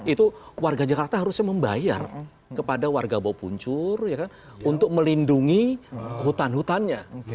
itu warga jakarta harusnya membayar kepada warga bopuncur untuk melindungi hutan hutannya